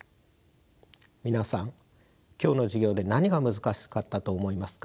皆さん今日の授業で何が難しかったと思いますか？